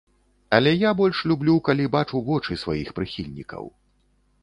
Але я больш люблю, калі бачу вочы сваіх прыхільнікаў.